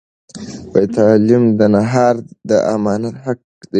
تعلیم د نهار د امانت حق دی.